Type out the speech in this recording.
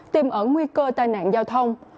tìm ẩn nguy cơ tai nạn giao thông